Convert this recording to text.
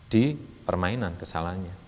di permainan kesalahannya